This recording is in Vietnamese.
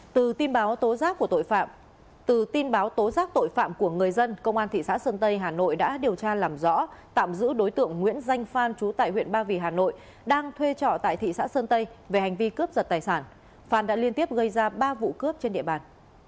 từ tin báo tố giác tội phạm của người dân công an thị xã sơn tây hà nội đã điều tra làm rõ tạm giữ đối tượng nguyễn danh phan trú tại huyện ba vì hà nội đang thuê trọ tại thị xã sơn tây về hành vi cướp giật tài sản phan đã liên tiếp gây ra ba vụ cướp trên địa bàn